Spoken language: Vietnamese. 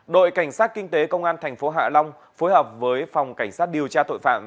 đội cảnh sát kinh tế công an thành phố hạ long phối hợp với phòng cảnh sát điều tra tội phạm